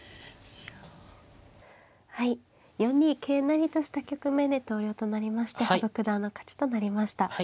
はい４二桂成とした局面で投了となりまして羽生九段の勝ちとなりました。